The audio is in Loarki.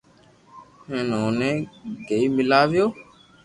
ھين اوني گيي ميلاويو